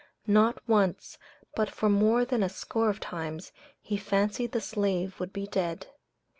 Not once, but for more than a score of times, he fancied the slave would be dead.